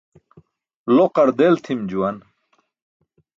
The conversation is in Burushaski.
Loqar del tʰim juwan.